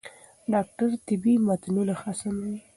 ډاکټر طبي متنونه ښه سموي.